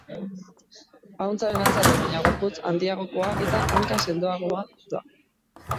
Ahuntzaren antza du, baina gorputz handiagokoa eta hanka-sendoagoa da.